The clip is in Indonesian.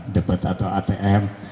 debit atau atm